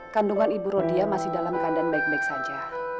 kandungan ibu rodia masih dalam keadaan baik baik saja